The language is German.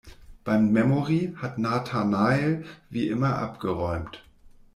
Beim Memory hat Nathanael wie immer abgeräumt.